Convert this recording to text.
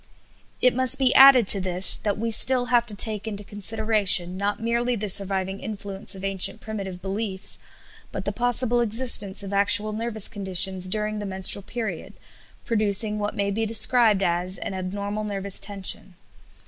It must be added to this that we still have to take into consideration not merely the surviving influence of ancient primitive beliefs, but the possible existence of actual nervous conditions during the menstrual period, producing what may be described as an abnormal nervous tension.